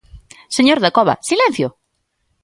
Señor Dacova, ¡silencio!